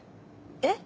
えっ？